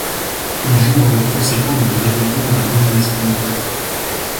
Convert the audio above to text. Il joue un rôle conséquent dans le développement de la Banque d'Espagne.